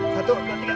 satu dua tiga